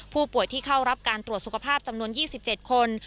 ผู้ป่วยที่เข้ารับการตรวจสุขภาพจำนวน๒๗คน